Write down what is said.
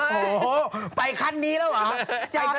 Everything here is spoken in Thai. โอ้โหไปขั้นนี้แล้วเหรอ